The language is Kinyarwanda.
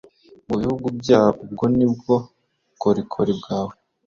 Mu bihugu byoeUbwo ni bwo bukorikori bwawe,